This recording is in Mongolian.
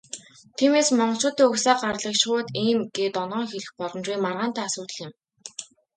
Тиймээс, монголчуудын угсаа гарлыг шууд "ийм" гээд оноон хэлэх боломжгүй, маргаантай асуудал юм.